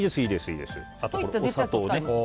あとお砂糖。